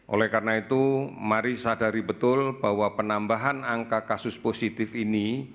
oleh karena itu mari sadari betul bahwa penambahan angka kasus positif ini